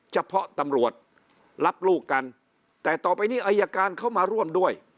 เฉพาะตำรวจรับลูกกันแต่ต่อไปนี้อายการเข้ามาร่วมด้วย